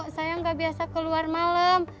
saya gak biasa keluar malem